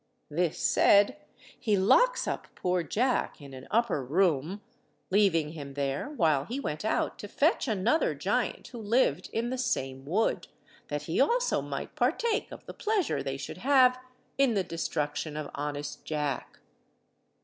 This said, he locks up poor Jack in an upper room, leaving him there while he went out to fetch another giant who lived in the same wood, that he also might partake of the pleasure they should have in the destruction of honest Jack.